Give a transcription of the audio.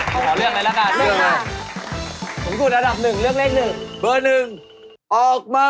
ขอเลือกเลยนะคะ